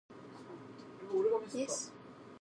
The royal palace is known as "Istana Besar".